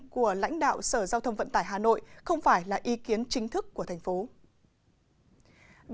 của lãnh đạo sở giao thông vận tải hà nội không phải là ý kiến chính thức của thành phố